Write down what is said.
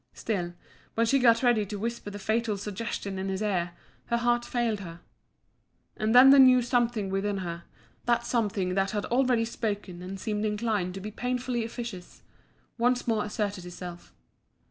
Still, when she got ready to whisper the fatal suggestion in his ear, her heart failed her. And then the new something within her that something that had already spoken and seemed inclined to be painfully officious once more asserted itself.